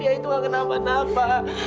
ya itu enggak kenapa napa